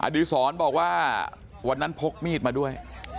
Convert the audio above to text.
ดีศรบอกว่าวันนั้นพกมีดมาด้วย